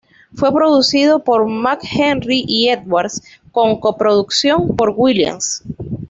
Fue producido por McHenry y Edwards, con co-producción por Will.i.am.